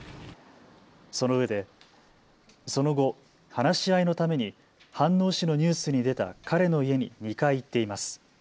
そのうえで、その後、話し合いのために飯能市のニュースに出た彼の家に２回行っています。